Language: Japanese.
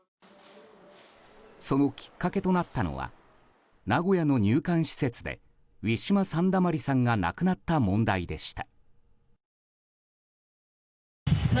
そのきっかけとなったのは名古屋の入管施設でウィシュマ・サンダマリさんが亡くなった問題でした。